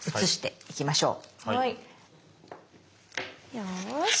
よし！